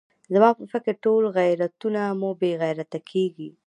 زما په فکر ټول غیرتونه مو بې غیرته کېږي.